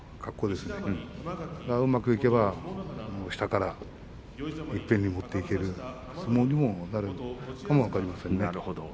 それがうまくいけば下からいっぺんに持っていける相撲になるかも分かりません。